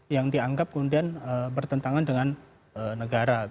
yang dianggap kemudian bertentangan dengan negara